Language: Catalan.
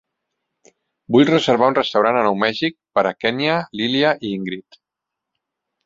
Vull reservar un restaurant a Nou Mèxic per a Kenya, Lilia i Ingrid.